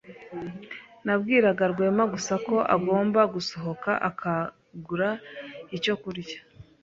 Nabwiraga Rwema gusa ko agomba gusohoka akagura icyo kurya.